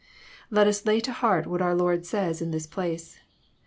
Let us lay to heart what our Lord says in this place.